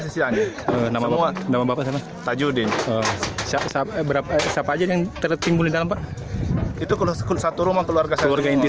sisanya nama nama bapak tajudin siapa aja yang tertinggal itu keluarga keluarga ini